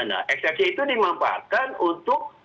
nah eksepsi itu dimanfaatkan untuk